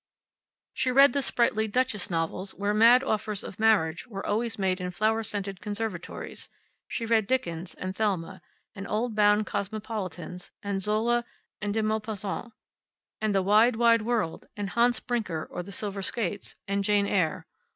She read the sprightly "Duchess" novels, where mad offers of marriage were always made in flower scented conservatories; she read Dickens, and Thelma, and old bound Cosmopolitans, and Zola, and de Maupassant, and the "Wide, Wide World," and "Hans Brinker, or The Silver Skates," and "Jane Eyre."